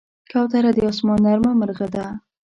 کوتره د آسمان نرمه مرغه ده.